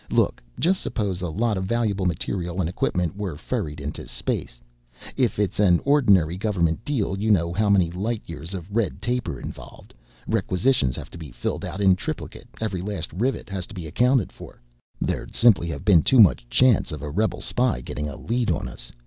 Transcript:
"Look, just suppose a lot of valuable material and equipment were ferried into space. If it's an ordinary government deal, you know how many light years of red tape are involved. Requisitions have to be filled out in triplicate, every last rivet has to be accounted for there'd simply have been too much chance of a rebel spy getting a lead on us.